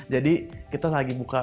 jadi kita lagi buka